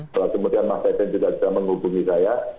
kalau kemudian mas faisal juga bisa menghubungi saya